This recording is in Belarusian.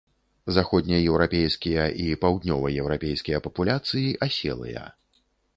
Заходнееўрапейскія і паўднёваеўрапейскія папуляцыі аселыя.